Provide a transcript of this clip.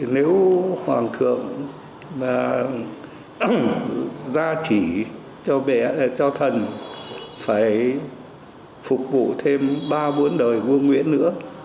nếu hoàng thượng và gia trị cho thần phải phục vụ thêm ba bốn đời vua nguyễn nữa